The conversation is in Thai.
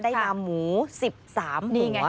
ได้ยามหมู๑๓ตัว